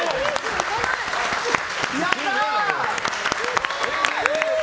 やったー！